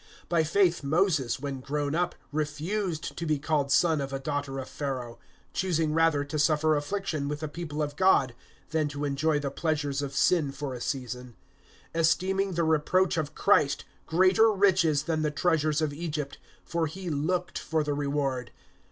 (24)By faith Moses, when grown up, refused to be called son of a daughter of Pharaoh; (25)choosing rather to suffer affliction with the people of God, than to enjoy the pleasures of sin for a season; (26)esteeming the reproach of Christ greater riches than the treasures of Egypt; for he looked for the reward.